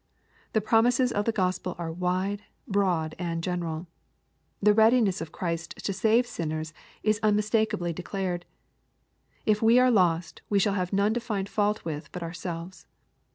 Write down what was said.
The promises of the Gospel are wide, broad, and general. The readi ness of Christ to save sinners is unmistakeably declared. If we are lost, we shall have none to find fault with but ourselves.